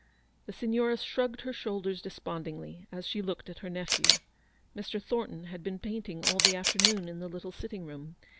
The Signora shrugged her shoulders despond ingly, as she looked at her nephew. Mr. Thorn ton had been painting all the afternoon in the little sitting room.